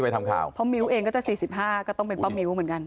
เพราะมิวเองก็จะ๔๕ก็ต้องเป็นป๊อปมิวเหมือนกัน